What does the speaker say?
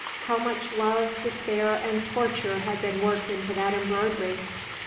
How much love, despair, and torture had been worked into that embroidery!